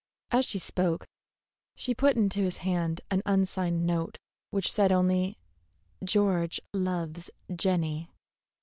As she spoke, she put into his hand an unsigned note which said only, "George loves Jenny."